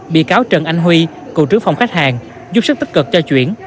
bị cáo trần anh huy cựu trưởng phòng khách hàng giúp sức tích cực cho chuyển